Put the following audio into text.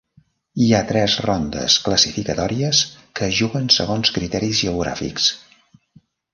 Hi ha tres rondes classificatòries que es juguen segons criteris geogràfics.